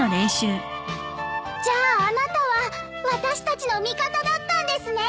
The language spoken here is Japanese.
じゃああなたは私たちの味方だったんですね？